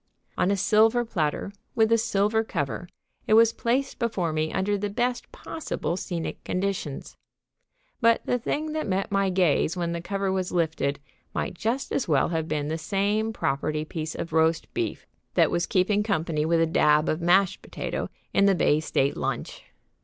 On a silver platter, with a silver cover, it was placed before me under the best possible scenic conditions. But the thing that met my gaze when the cover was lifted might just as well have been the same property piece of roast beef that was keeping company with a dab of mashed potato in the Bay State Lunch.